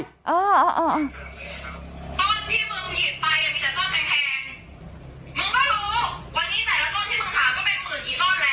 เออต้นที่มึงหยิบไปอ่ะมีแต่ต้นไปแพงมึงก็รู้วันนี้แต่ละต้นที่มึงถามก็เป็นหมื่นกี่ต้นแล้ว